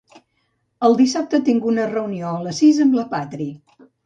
El dissabte tinc una reunió a les sis amb la Patri.